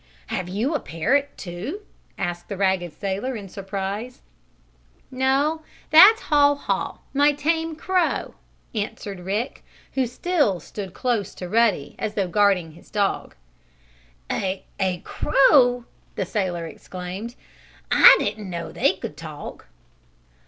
"Have you a parrot, too?" asked the ragged sailor, in surprise. "No, that's Haw Haw, my tame crow," answered Rick, who still stood close to Ruddy, as though guarding his dog. "A a crow!" the sailor exclaimed. "I didn't know they could talk."